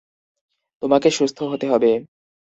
তোমাকে সুস্থ হতে হবে।